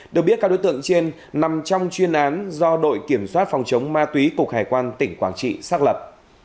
được biết các đối tượng trên nằm trong chuyên án do đội kiểm soát phòng chống ma túy cục hải quan tỉnh quảng trị xác lập